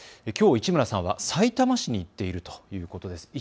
きょう市村さんはさいたま市に行っているということです。